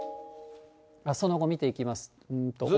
その後、見ていきますと。